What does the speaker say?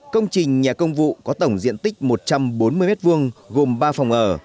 công trình nhà công vụ có tổng diện tích một trăm bốn mươi m hai gồm ba phòng ở